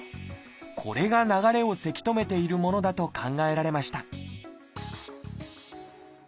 これが流れをせき止めているものだと考えられました